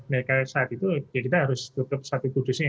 mereka saat itu ya kita harus tutup satu kudusnya